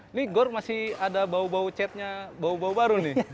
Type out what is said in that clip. ini gor masih ada bau bau catnya bau bau baru nih